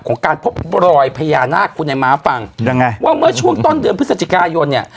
การพบรอยพญานาคคุณไอ้ม้าฟังยังไงว่าเมื่อช่วงต้นเดือนพฤศจิกายนเนี่ย